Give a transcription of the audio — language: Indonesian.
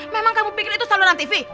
memang kamu pikir itu saluran tv